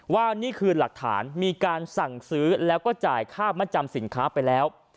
ว่านี่คือหลักฐานมีการสั่งซื้อแล้วก็จ่ายค่ามัดจำสินค้าไปแล้ว